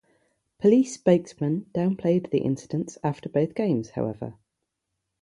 Police spokesmen downplayed the incidents after both games, however.